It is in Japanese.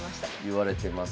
いわれてます。